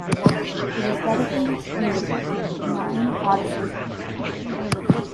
It was dedicated to the Muses, the nine goddesses of the arts.